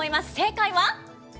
正解は。